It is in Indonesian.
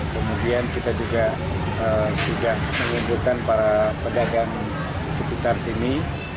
kemudian kita juga sudah menunjukkan para pedagang di sekitar sini